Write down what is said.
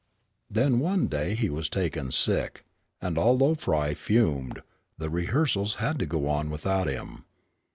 Then one day he was taken sick, and although Frye fumed, the rehearsals had to go on without him.